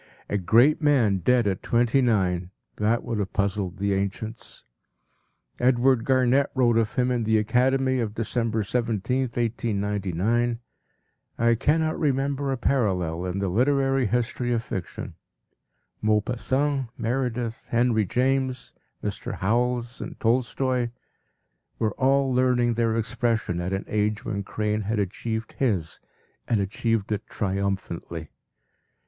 A great man dead at twenty nine! That would have puzzled the ancients. Edward Garnett wrote of him in The Academy of December 17, 1899: “I cannot remember a parallel in the literary history of fiction. Maupassant, Meredith, Henry James, Mr. Howells and Tolstoy, were all learning their expression at an age where Crane had achieved his and achieved it triumphantly.